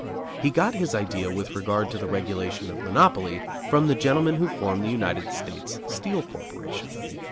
He got his idea with regard to the regulation of monopoly from the gentlemen who form the United States Steel Corporation.